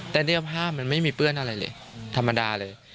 แต่เนี่ยภาพมันไม่มีเปื้อนอะไรเลยธรรมดาเลย